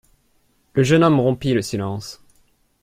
Le jeune homme rompit le silence.